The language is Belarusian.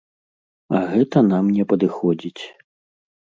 А гэта нам не падыходзіць.